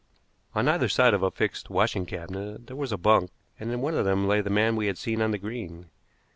On either side of a fixed washing cabinet there was a bunk, and in one of them lay the man we had seen on the green.